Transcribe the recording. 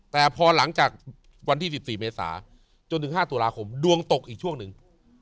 แต่พอหลังจากวันที่๑๔เมษาจนถึง๕ตุลาคมดวงตกอีกช่วงหนึ่ง